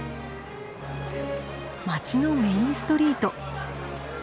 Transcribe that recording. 街のメインストリート。